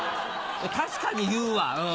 確かに言うわうん。